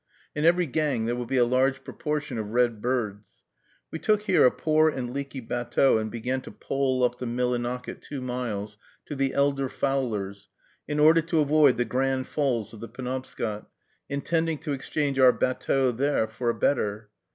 In every gang there will be a large proportion of red birds. We took here a poor and leaky batteau, and began to pole up the Millinocket two miles, to the elder Fowler's, in order to avoid the Grand Falls of the Penobscot, intending to exchange our batteau there for a better.